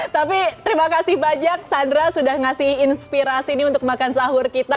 tapi terima kasih banyak sandra sudah ngasih inspirasi ini untuk makan sahur kita